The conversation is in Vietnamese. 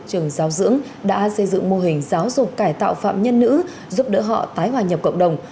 trường giáo dưỡng đã xây dựng mô hình giáo dục cải tạo phạm nhân nữ giúp đỡ họ tái hòa nhập cộng đồng